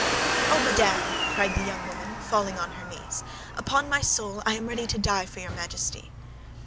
"Oh, madame!" cried the young woman, falling on her knees; "upon my soul, I am ready to die for your Majesty!"